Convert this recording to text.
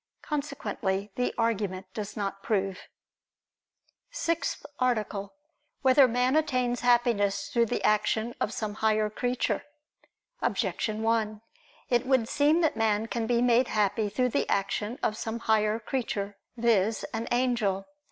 Consequently the argument does not prove. ________________________ SIXTH ARTICLE [I II, Q. 5, Art. 6] Whether Man Attains Happiness Through the Action of Some Higher Creature? Objection 1: It would seem that man can be made happy through the action of some higher creature, viz. an angel.